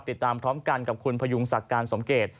ติดตามพร้อมกันกับคุณพยุงศักดิ์การสมเกต